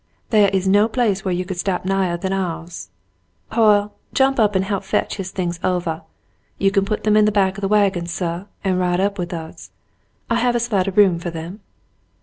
Theah is no place wheah you could stop nighah than ouahs. Hoyle, jump out and help fetch his things ovah. You can put them in the back of the wagon, suh, and ride up with us. I have a sight of room foh them."